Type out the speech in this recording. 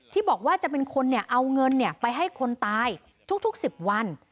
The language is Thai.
ที่บอกว่าจะเป็นคนเอาเงินไปให้คนตายทุก๑๐วัน